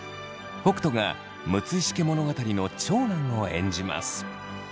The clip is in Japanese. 北斗が六石家物語の長男を演じます。